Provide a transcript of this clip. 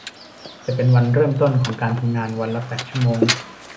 จะเป็นวันเริ่มต้น ของการทำงานวันละแปดชั่วโมง